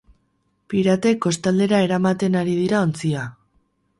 Piratek kostaldera eramaten ari dira ontzia.